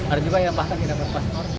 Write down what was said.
ada juga yang bahkan tidak memiliki paspor